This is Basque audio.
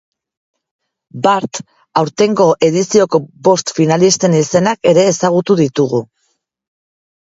Bart, aurtengo edizioko bost finalisten izenak ere ezagutu ditugu.